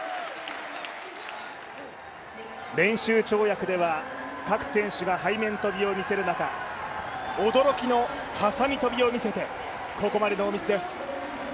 練習跳躍では各選手が背面跳びを見せる中、驚きの挟み跳びを見せてここまでノ−ミスです。